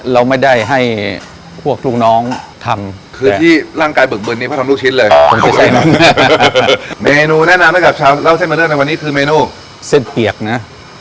เราไม่ได้ให้พวกลูกน้องทำ